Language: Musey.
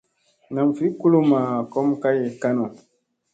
Nam vi kuluma kom kay kanu.